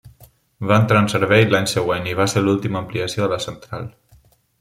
Va entrar en servei l'any següent i va ser l'última ampliació de la central.